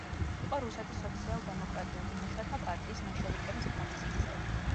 იყო რუსეთის სოციალ-დემოკრატიული მუშათა პარტიის „მენშევიკების“ ფრაქციის წევრი.